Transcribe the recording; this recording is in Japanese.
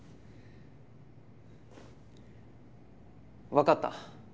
わかった。